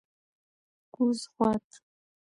کوز خوات: